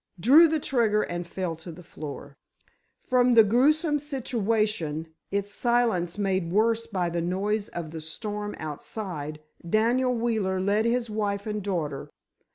drew the trigger and fell to the floor. From the gruesome situation, its silence made worse by the noise of the storm outside, Daniel Wheeler led his wife and daughter.